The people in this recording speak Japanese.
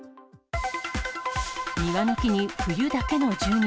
庭の木に冬だけの住人。